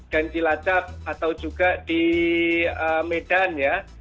dan cilacap atau juga di medan ya